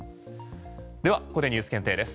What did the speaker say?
ではここでニュース検定です。